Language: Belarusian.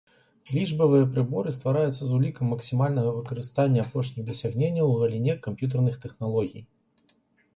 Лічбавыя прыборы ствараюцца з улікам максімальнага выкарыстання апошніх дасягненняў у галіне камп'ютэрных тэхналогій.